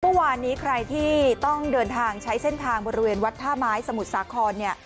เมื่อวานนี้ใครที่ต้องเดินทางใช้เส้นทางบริเวณวัดท่าไม้สมุทรสาครเนี่ย